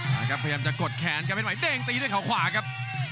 พยายามจะกดแขนครับเพชรใหม่เด้งตีด้วยเขาขวาครับ